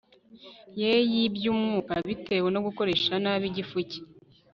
ye yibyumwuka bitewe no gukoresha nabi igifu cye